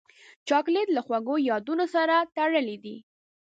چاکلېټ له خوږو یادونو سره تړلی دی.